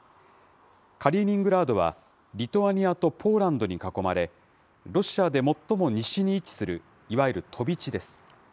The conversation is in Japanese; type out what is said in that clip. カリーニングラードは、リトアニアとポーランドに囲まれ、ロシアで最も西に位置する、いわゆる飛び地です。